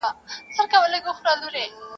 زه په تا پسي ځان نه سم رسولای !.